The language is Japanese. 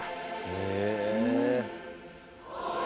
へえ。